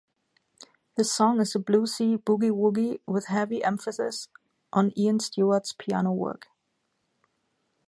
The song is a bluesy boogie-woogie, with heavy emphasis on Ian Stewart's piano work.